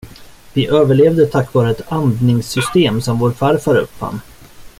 Vi överlevde tack vare ett andningssystem som vår farfar uppfann.